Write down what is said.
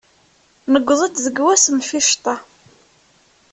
Newweḍ-d deg ass n lficṭa.